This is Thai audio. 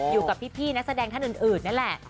อยู่กับพี่นักแสดงท่านอื่นนั่นแหละ